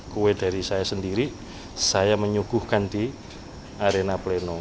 kue dari saya sendiri saya menyuguhkan di arena pleno